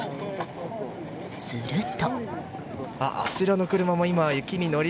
すると。